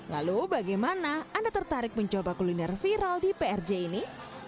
lalu bagaimana anda tertarik mencoba kuliner viral di prj ini